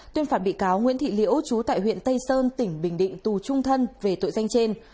tuyên phạt bị cáo nguyễn thị liễu trú tại huyện tây sơn tỉnh bình định tù trung thân về tội danh trên